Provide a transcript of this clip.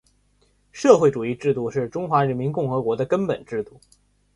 社会主义制度是中华人民共和国的根本制度